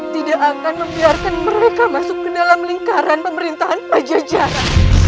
tidak akan membiarkan mereka masuk ke dalam lingkaran pemerintahan pajajaran